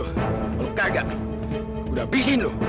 kalo kagak udah abisin lu